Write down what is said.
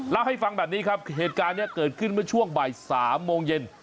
เล่าให้ฟังแบบนี้ครับเหตุการณ์นี้เกิดขึ้นเมื่อช่วงบ่าย๓โมงเย็น